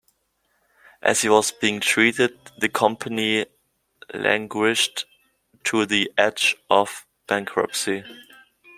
As he was being treated, the company languished to the edge of bankruptcy.